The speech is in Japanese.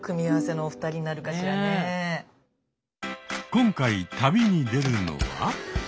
今回旅に出るのは。